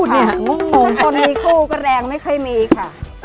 ถ้าต้องมีคู่ก็แรงไม่เคยมีค่ะ